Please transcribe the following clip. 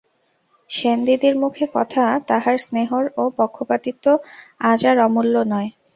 সেনদিদির মুখের কথা, তাহার স্নেহর ও পক্ষপাতিত্ব আজ আর অমূল্য নয়।